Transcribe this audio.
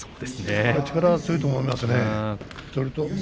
力は強いと思います。